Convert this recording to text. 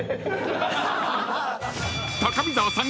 ［高見沢さん］